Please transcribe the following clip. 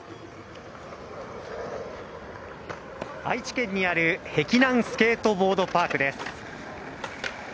愛知県にある碧南スケートボードパークです。